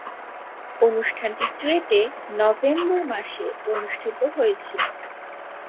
অনুষ্ঠানটি চুয়েটে নভেম্বর মাসে অনুষ্ঠিত হয়েছিলো।